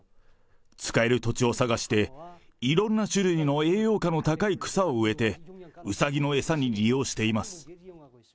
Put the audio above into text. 使える土地を探して、いろんな種類の栄養価の高い草を植えて、うさぎの餌に利用しています。